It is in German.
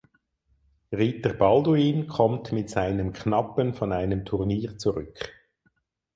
Ritter Balduin kommt mit seinem Knappen von einem Turnier zurück.